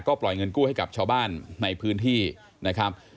ปล่อยเงินกู้ให้กับชาวบ้านในพื้นที่นะครับ